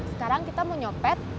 sekarang kita mau nyopet